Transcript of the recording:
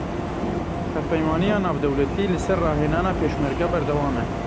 Hevpeymaniya Navdewletî li ser rahênana Pêşmerge berdewam e.